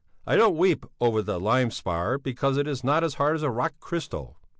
I don't weep over the lime spar, because it is not as hard as a rock crystal.